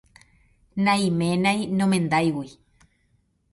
Naiménai nomendáigui.